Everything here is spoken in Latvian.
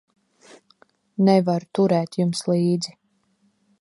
Nevaru turēt jums līdzi.